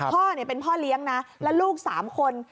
พ่อเนี่ยเป็นพ่อเลี้ยงนะแล้วลูก๓คน